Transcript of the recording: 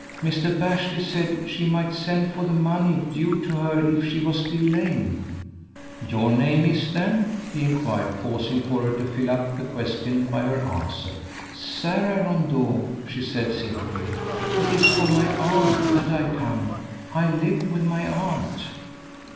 Mr. Bashley said she might send for the money due to her if she was still lame." "Your name then is " he inquired, pausing for her to fill up the question by her answer. "Sara Rondeau," she said simply; "it is for my aunt that I come. I live with my aunt."